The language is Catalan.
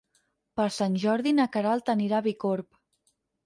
Per Sant Jordi na Queralt anirà a Bicorb.